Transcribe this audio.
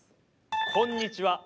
こんにちは。